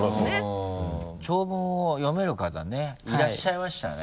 長文を読める方ねいらっしゃいましたね。